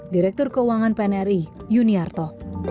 direktur keuangan pnri yuniarto